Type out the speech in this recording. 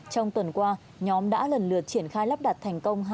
trong tuần qua nhóm đã lần lượt triển khai lắp đặt thành công